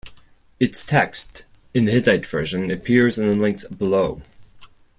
Its text, in the Hittite version, appears in the links below.